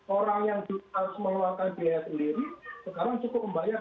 orang yang dikasih meluangkan biaya keliling sekarang cukup membayar rp dua puluh lima lima ratus